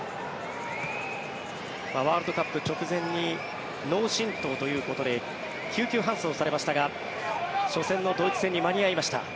ワールドカップ直前に脳振とうということで救急搬送されましたが初戦のドイツ戦に間に合いました。